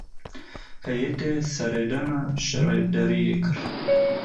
Heyetê seredana şaredariyê kir.